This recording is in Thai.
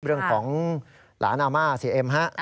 เรื่องของหลานอาม่าเสียเอ็มฮะ